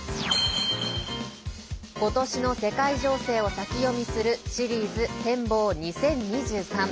今年の世界情勢を先読みするシリーズ展望２０２３。